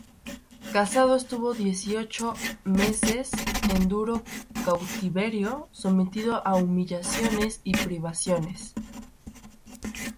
Casado estuvo dieciocho meses en duro cautiverio, sometido a humillaciones y privaciones.